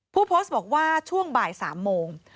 ผู้โพสต์บอกว่าช่วงบ่าย๓โมง